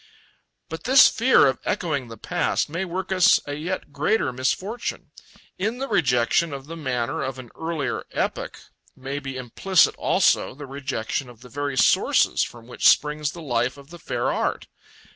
But this fear of echoing the past may work us a yet greater misfortune. In the rejection of the manner of an earlier epoch may be implicit also the rejection of the very sources from which springs the life of the fair art.